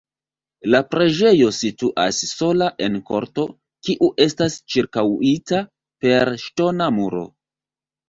La preĝejo situas sola en korto, kiu estas ĉirkaŭita per ŝtona muro.